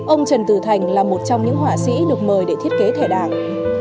ông trần từ thành là một trong những họa sĩ được mời để thiết kế thẻ đảng